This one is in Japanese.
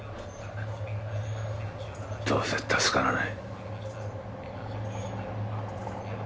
どうせ助からない